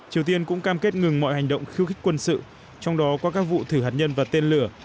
triều tiên cũng cam kết ngừng mọi hành động khiêu khích quân sự trong đó có các vụ thử hạt nhân và tên lửa